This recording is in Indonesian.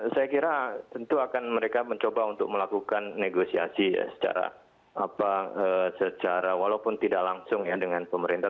saya kira tentu akan mereka mencoba untuk melakukan negosiasi ya secara walaupun tidak langsung ya dengan pemerintah